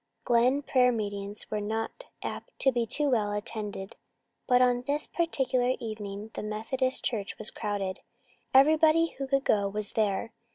Glen prayer meetings were not apt to be too well attended, but on this particular evening the Methodist Church was crowded. Everybody who could go was there.